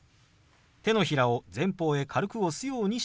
手のひらを前方へ軽く押すようにします。